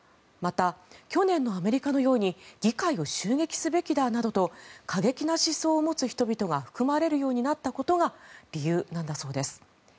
また、去年のアメリカのように議会を襲撃すべきだなどと過激な思想を持つ人々が含まれるようになったことが理由なんだそうです。